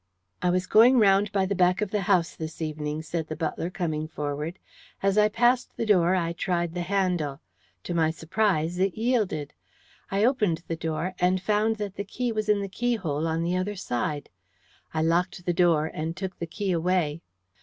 "I was going round by the back of the house this evening," said the butler, coming forward. "As I passed the door I tried the handle. To my surprise it yielded. I opened the door, and found that the key was in the keyhole, on the other side. I locked the door, and took the key away."